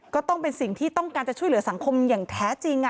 ก็ต้องเป็นสิ่งที่ต้องการจะช่วยเหลือสังคมอย่างแท้จริง